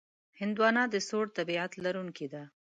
هندوانه د سوړ طبیعت لرونکې ده.